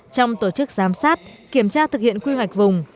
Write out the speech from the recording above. trong tổ chức giám sát kiểm tra thực hiện quy hoạch vùng